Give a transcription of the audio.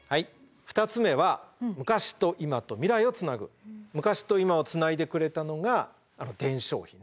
２つ目は昔と今をつないでくれたのがあの伝承碑ね。